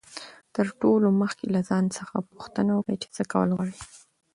تر ټولو مخکي له ځان څخه پوښتنه وکړئ، چي څه کول غواړئ.